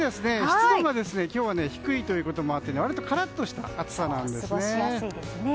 湿度が今日は低いということもあってカラッとした暑さなんです。